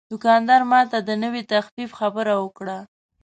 دوکاندار ماته د نوې تخفیف خبره وکړه.